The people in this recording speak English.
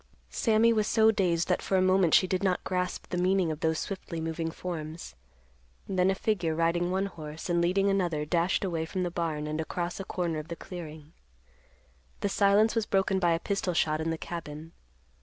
Sammy was so dazed that for a moment she did not grasp the meaning of those swiftly moving forms. Then a figure riding one horse and leading another dashed away from the barn and across a corner of the clearing. The silence was broken by a pistol shot in the cabin.